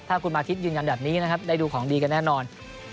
ถ้าคุณมาทิศยืนยันแบบนี้นะครับได้ดูของดีกันแน่นอน